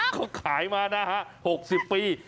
เขาขายมานะฮะ๖๐ปี